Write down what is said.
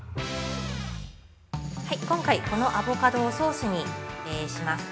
◆今回、このアボカドをソースにします。